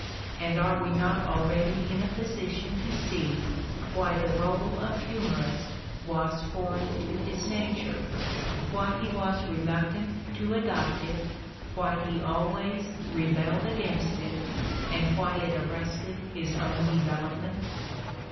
And are we not already in a position to see why the role of humorist was foreign to his nature, why he was reluc tant to adopt it, why he always rebelled against it, and why it arrested his own development